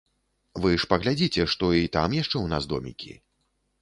Вы ж паглядзіце, што і там яшчэ ў нас домікі.